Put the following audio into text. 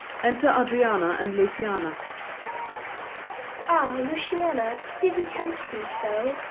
_ Enter ADRIANA and LUCIANA. Adr. Ah, Luciana, did he tempt thee so?